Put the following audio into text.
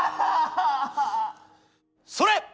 それ！